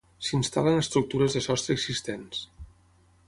S'instal·la en estructures de sostre existents.